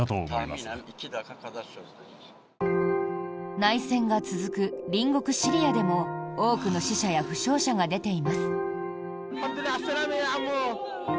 内戦が続く隣国シリアでも多くの死者や負傷者が出ています。